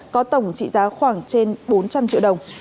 có tổng trị giá khoảng trên bốn trăm linh triệu đồng